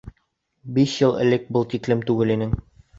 Биш йыл элек был тиклем түгел инең.